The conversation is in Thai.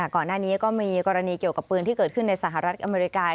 ก่อนหน้านี้ก็มีกรณีเกี่ยวกับปืนที่เกิดขึ้นในสหรัฐอเมริกา